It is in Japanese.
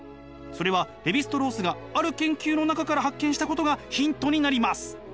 それはレヴィ＝ストロースがある研究の中から発見したことがヒントになります。